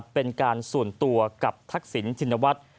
เป็นการส่วนตัวกับทักษิณชินวัฒน์